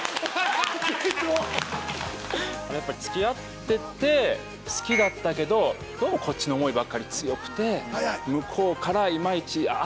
付き合ってて好きだったけどどうもこっちの思いばかり強くて向こうからいまいち合ってないな。